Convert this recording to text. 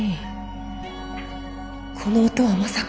この音はまさか。